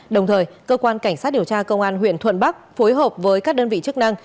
đồng thời cơ quan cảnh sát điều tra công an huyện thuận bắc phối hợp với các đơn vị chức năng